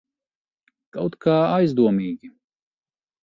Kaut kā aizdomīgi.